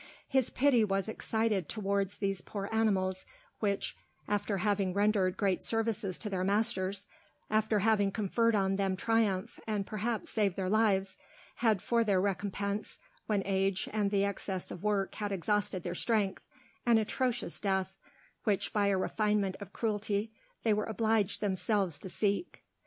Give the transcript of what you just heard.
His pity was excited towards these poor animals, which, after having rendered great services to their masters, after having conferred on them triumph, and perhaps saved their lives, had for their recompense, when age and the excess of work had exhausted their strength, an atrocious death which by a refinement of cruelty they were obliged themselves to seek.